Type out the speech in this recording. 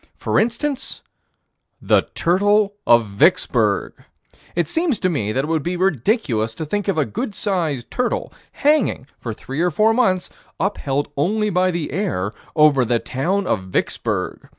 For instance, the turtle of Vicksburg. It seems to me that it would be ridiculous to think of a good sized turtle hanging, for three or four months, upheld only by the air, over the town of Vicksburg.